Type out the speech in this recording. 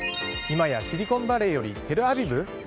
今やシリコンバレーよりテルアビブ？